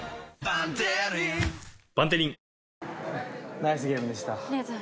ナイスゲームでした。